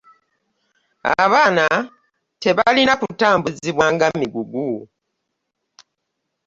Abaana tebalina kutambuzibwa nga migugu.